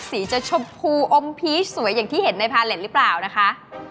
สีจะชมพูอมพีชสวยอย่างที่เห็นในพาเล็ตหรือเปล่านะคะ